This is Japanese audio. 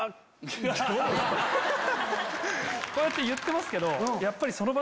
こうやって言ってますけど。